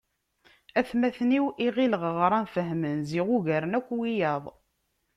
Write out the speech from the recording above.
Atmaten-iw i ɣileɣ ɣran fehmen ziɣ ugaren akk wiyaḍ.